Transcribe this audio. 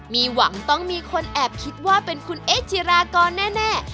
มีหวังต้องมีคนแอบคิดว่าเป็นคุณเอ๊จิรากรแน่